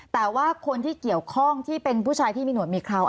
แต่ว่าคนที่เกี่ยวข้องที่เป็นผู้ชายที่มีหนวดมีเคราว